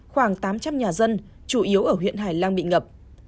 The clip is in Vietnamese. khoảng tám trăm linh nhà dân chủ yếu ở huyện hải lăng bị ngập